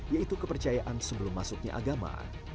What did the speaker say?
yaitu kepercayaan sebelum masuknya agama